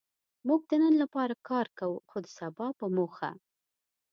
موږ د نن لپاره کار کوو؛ خو د سبا په موخه.